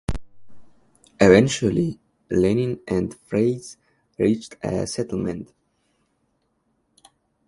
Eventually, Lannin and Frazee reached a settlement.